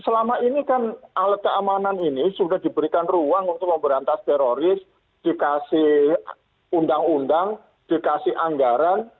selama ini kan alat keamanan ini sudah diberikan ruang untuk memberantas teroris dikasih undang undang dikasih anggaran